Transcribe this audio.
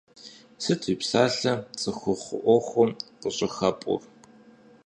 Сыт уи псалъэ цӀыхухъу Ӏуэхум къыщӀыхэпӀур?